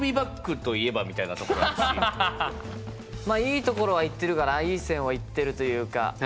いいところはいってるかないい線はいってるというか。